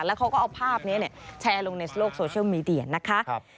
แล้วเขาก็เอาภาพนี้แชร์ลงในโลกโซเชียลมีเดียนะคะ